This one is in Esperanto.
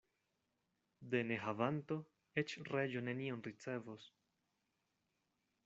De nehavanto eĉ reĝo nenion ricevos.